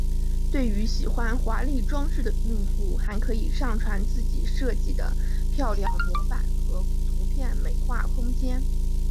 对于喜欢华丽装饰的用户还可以上传自己设计的漂亮模板和图片美化空间。